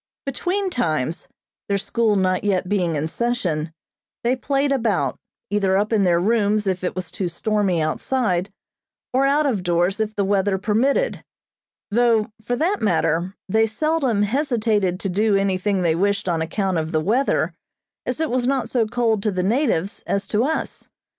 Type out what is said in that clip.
Between times, their school not yet being in session, they played about, either up in their rooms if it was too stormy outside, or out of doors if the weather permitted; though, for that matter, they seldom hesitated to do anything they wished on account of the weather, as it was not so cold to the natives as to us.